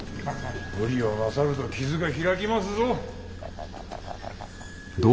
無理をなさると傷が開きますぞ。